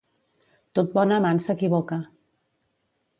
Tot bon amant s'equivoca.